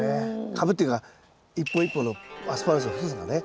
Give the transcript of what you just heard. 株っていうか一本一本のアスパラガスの太さがね。